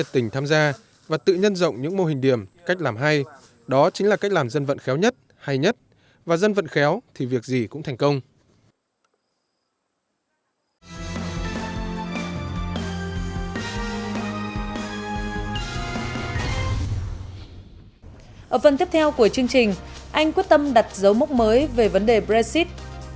theo của chương trình anh quyết tâm đặt dấu mốc mới về vấn đề brexit